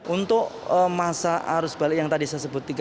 untuk masa arus balik yang tadi saya sebut